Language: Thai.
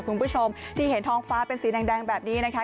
คุณผู้ชมที่เห็นท้องฟ้าเป็นสีแดงแบบนี้นะคะ